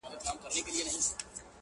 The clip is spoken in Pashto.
او د زړه درد رسېدلی